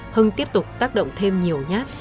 hưng tiếp tục tác động thêm nhiều nhát